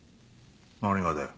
何がだよ？